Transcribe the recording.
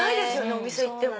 お店行っても。